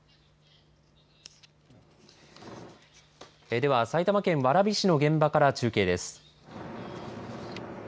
では埼玉県蕨市の現場から中継です。